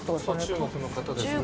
中国の方ですね。